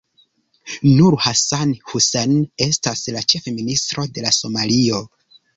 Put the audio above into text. Nur Hassan Hussein estas la Ĉefministro de Somalio.